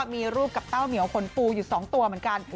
มีรูปกับเต้าเหมียวผลปูอยู่๒ตัวเหมือนกัน